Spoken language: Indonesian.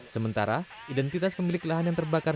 sementara identitas pemilik lahan yang terbakar